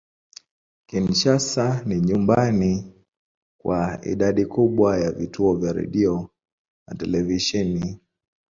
Kinshasa ni nyumbani kwa idadi kubwa ya vituo vya redio na televisheni.